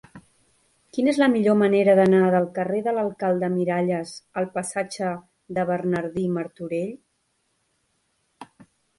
Quina és la millor manera d'anar del carrer de l'Alcalde Miralles al passatge de Bernardí Martorell?